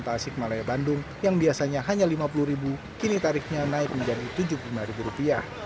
tasik malaya bandung yang biasanya hanya rp lima puluh kini tarifnya naik menjadi rp tujuh puluh lima